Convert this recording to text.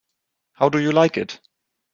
How do you like it?